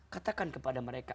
katakan kepada mereka